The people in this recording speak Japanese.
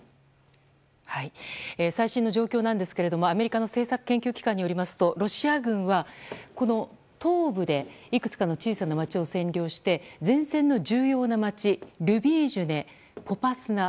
最新の状況ですがアメリカの政策研究機関によりますとロシア軍は東部でいくつかの小さな街を占領して、前線の重要な街ルビージュネ、ポパスナ